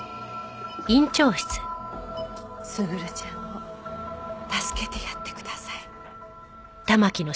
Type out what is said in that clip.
卓ちゃんを助けてやってください。